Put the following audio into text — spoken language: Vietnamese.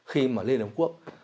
khi mà liên hợp quốc